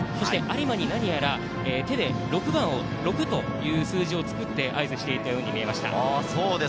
有馬に何やら手で「６」という数字を作って、合図していたように見えました。